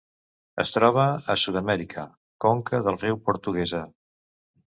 Es troba a Sud-amèrica: conca del riu Portuguesa.